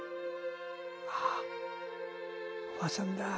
あっおばさんだぁ。